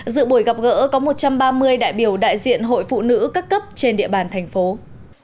dự buổi gặp gỡ có một trăm ba mươi đại biểu đại diện hội phụ nữ cấp cấp trên địa bàn tp hcm